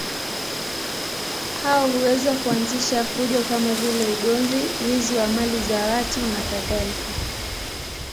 Hao huweza kuanzisha fujo kama vile ugomvi, wizi wa mali za watu nakadhalika.